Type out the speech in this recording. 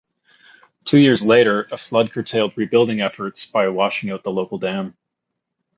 Two years later, a flood curtailed rebuilding efforts by washing out the local dam.